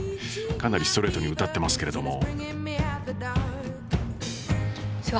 かなりストレートに歌ってますけれども。